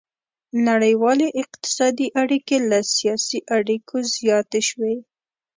نړیوالې اقتصادي اړیکې له سیاسي اړیکو زیاتې شوې